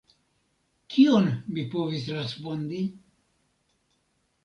Kion mi povis respondi?